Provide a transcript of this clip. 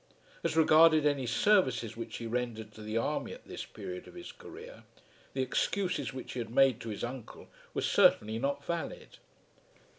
As regarded any services which he rendered to the army at this period of his career, the excuses which he had made to his uncle were certainly not valid.